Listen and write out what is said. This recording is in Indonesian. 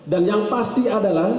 dan yang pasti adalah